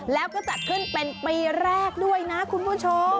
แล้วก็จัดขึ้นเป็นปีแรกด้วยนะคุณผู้ชม